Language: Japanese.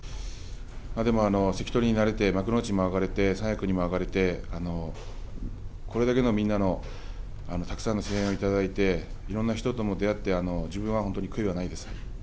でも関取になれて幕内にもなれて三役にも上がれてこれだけのみんなのたくさんの声援をいただいていろいろな人とも出会って自分は本当に悔いはないです。